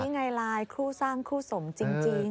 นี่ไงลายคู่สร้างคู่สมจริง